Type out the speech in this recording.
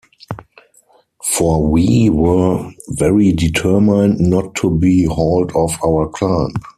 For we were very determined not to be hauled off our climb.